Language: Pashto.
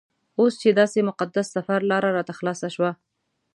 اوس چې داسې مقدس سفر لاره راته خلاصه شوه.